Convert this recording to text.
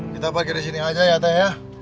kita parkir disini aja ya teh ya